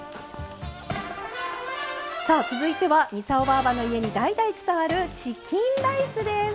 続いては操ばぁばの家に代々伝わるチキンライスです。